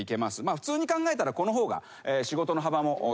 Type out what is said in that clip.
普通に考えたらこの方が仕事の幅も広がりますよね。